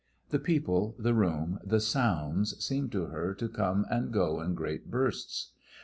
The people, the room, the sounds seemed to her to come and go in great bursts.